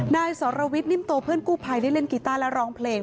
นายสรวิทย์นิ่มโตเพื่อนกู้ภัยได้เล่นกีต้าและร้องเพลง